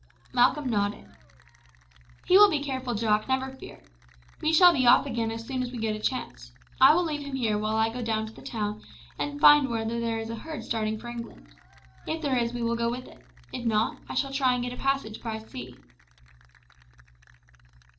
Malcolm nodded. "He will be careful, Jock, never fear. We shall be off again as soon as we get a chance. I will leave him here while I go down the town and find whether there is a herd starting for England. If there is we will go with it; if not, I shall try and get a passage by sea."